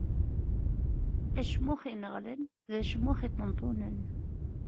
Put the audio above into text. Acmux ineɣlen, d acmux iṭenṭunen.